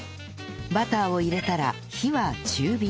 バターを入れたら火は中火に